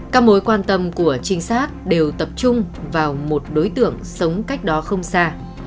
các mối quan tâm của trinh sát đều tập trung vào một đối tượng sống cách đó không xa